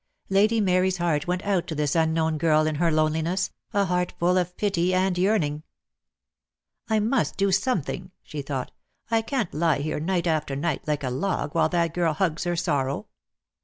Lady Mary's heart went out to this unknown girl in her loneliness, a heart full of pity and yearning. "I must do something," she thought. "I can't lie here, night after night, like a log, while that girl hugs her sorrow.